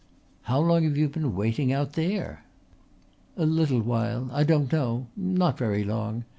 "How long have you been waiting out there?" "A little while...I don't know...Not very long.